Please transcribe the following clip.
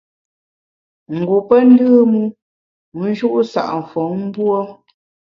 Ngu pe ndùm u, wu nju’ sa’ mfom mbuo.